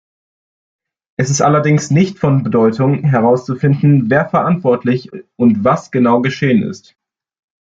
Es ist allerdings nicht von Bedeutung, herauszufinden, wer verantwortlich und was genau geschehen ist.